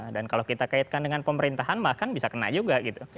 dan kalau kita kaitkan dengan pemerintahan bahkan bisa kena juga gitu